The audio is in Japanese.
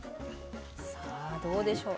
さあどうでしょう？